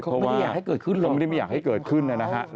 เขาไม่ได้อยากให้เกิดขึ้นหรอกเขาไม่ได้อยากให้เกิดขึ้นเลยนะครับ